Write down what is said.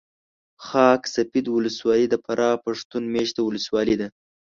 خاک سفید ولسوالي د فراه پښتون مېشته ولسوالي ده